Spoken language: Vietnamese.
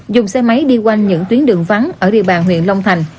dùng xe máy đi quanh những tuyến đường vắng ở địa bàn huyện long thành